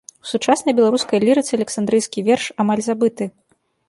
У сучаснай беларускай лірыцы александрыйскі верш амаль забыты.